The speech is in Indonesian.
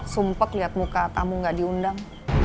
sumpah liat muka tamu gak diundang